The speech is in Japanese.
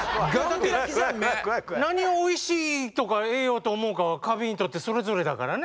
何をおいしいとか栄養と思うかはカビにとってそれぞれだからね。